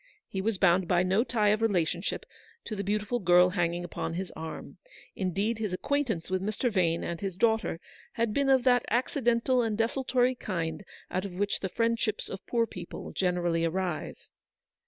He was bound by no tie of relationship to the beautiful girl hanging upon his arm. Indeed, his acquaintance with Mr. Vane and his daughter had been of that acci dental and desultory kind out of which the friend ships of poor people generally arise.